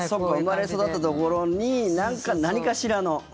生まれ育ったところに何かしらの。